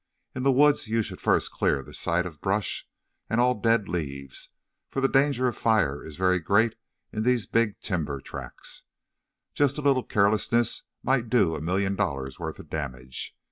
"In the woods you should first clear the site of brush and all dead leaves, for the danger of fire is very great in these big timber tracts. Just a little carelessness might do a million dollars' worth of damage.